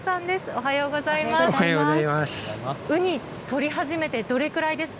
おはようございます。